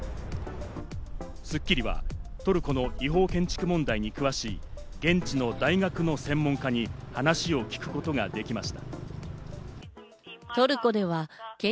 『スッキリ』はトルコの違法建築問題に詳しい現地の大学の専門家に話を聞くことができました。